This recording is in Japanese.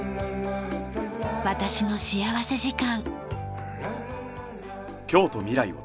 『私の幸福時間』。